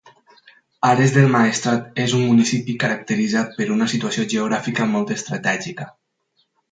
Ares del Maestrat és un municipi caracteritzat per una situació geogràfica molt estratègica.